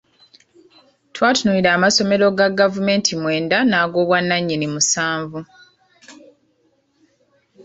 Twatunuulira amasomero ga gavumenti mwenda nag’obwannannyini musanvu.